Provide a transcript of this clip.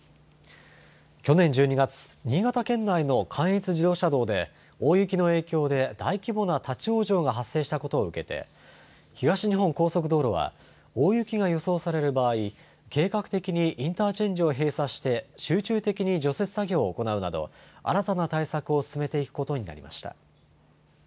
去年１２月、新潟県内の関越自動車道で、大雪の影響で大規模な立往生が発生したことを受けて、東日本高速道路は、大雪が予想される場合、計画的にインターチェンジを閉鎖して、集中的に除雪作業を行うなど、新たな対策を進めていくことになりました。